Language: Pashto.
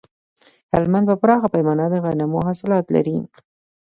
هلمند په پراخه پیمانه د غنمو حاصلات لري